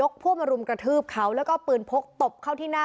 พวกมารุมกระทืบเขาแล้วก็เอาปืนพกตบเข้าที่หน้า